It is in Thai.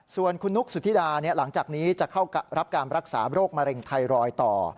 ส่วนคุณนุ๊กสุธิดาหลังจากนี้จะเข้ารับการรักษาโรคมะเร็งไทรอยด์ต่อ